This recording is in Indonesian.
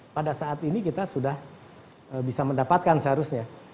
pada saat ini kita sudah bisa mendapatkan seharusnya